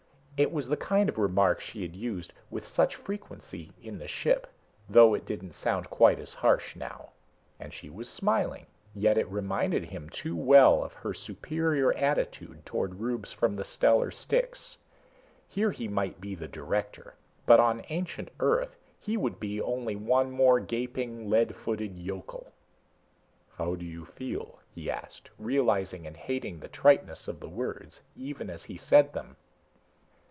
It was the kind of remark she had used with such frequency in the ship, though it didn't sound quite as harsh now. And she was smiling. Yet it reminded him too well of her superior attitude towards rubes from the stellar sticks. Here he might be the director, but on ancient Earth he would be only one more gaping, lead footed yokel. "How do you feel?" he asked, realizing and hating the triteness of the words, even as he said them.